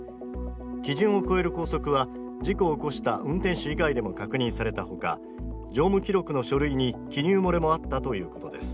基準を超える拘束は事故を起こした運転手以外でも確認されたほか、乗務記録の書類に記入漏れもあったということです。